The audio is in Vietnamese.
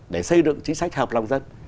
để xây dựng chính sách hợp lòng dân